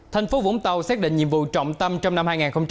thành phố vũng tàu xác định nhiệm vụ trọng tâm trong năm hai nghìn hai mươi